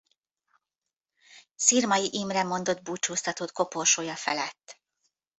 Szirmai Imre mondott búcsúztatót koporsója felett.